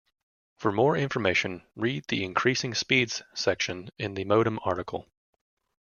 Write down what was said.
For more information read the Increasing speeds section in the Modem article.